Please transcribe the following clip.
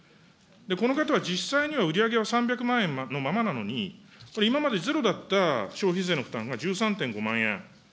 この方は実際には売り上げは３００万円のままなのに、これ今までゼロだった消費税の負担は１３．５万円。